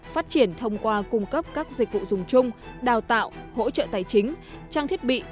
phát triển thông qua cung cấp các dịch vụ dùng chung đào tạo hỗ trợ tài chính trang thiết bị